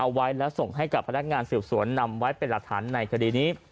เอาไว้และส่งให้กับพนักงานสืบสวนนำไว้เป็นหลักฐานในคดีนี้